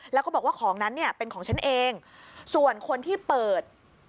แล้วก็บอกว่าของนั้นเนี่ยเป็นของฉันเองส่วนคนที่เปิด